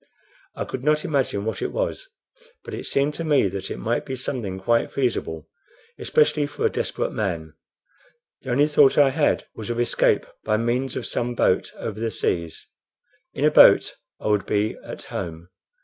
I could not imagine what it was, but it seemed to me that it might be something quite feasible, especially for a desperate man. The only thought I had was of escape by means of some boat over the seas. In a boat I would be at home.